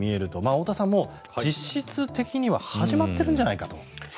太田さん、実質的には始まっているんじゃないかと。